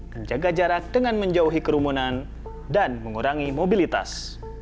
menjaga jarak dengan menjauhi kerumunan dan mengurangi mobilitas